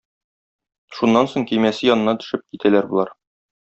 Шуннан соң көймәсе янына төшеп китәләр болар.